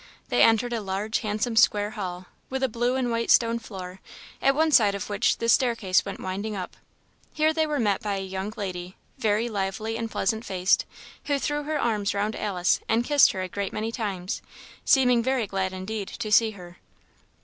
They entered a large, handsome square hall, with a blue and white stone floor, at one side of which the staircase went winding up. Here they were met by a young lady, very lively and pleasant faced, who threw her arms round Alice, and kissed her a great many times, seeming very glad indeed to see her.